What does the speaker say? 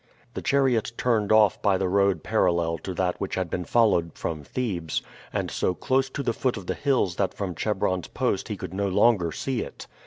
The chariot turned off by the road parallel to that which had been followed from Thebes, and so close to the foot of the hills that from Chebron's post he could no longer see it.